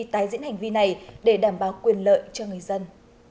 tái diễn hành vi này để đảm bảo quyền lợi cho người dân